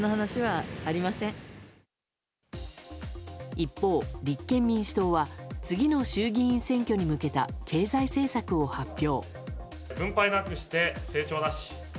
一方、立憲民主党は次の衆議院選挙に向けた経済政策を発表。